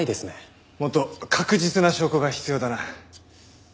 もっと確実な証拠が必要だな。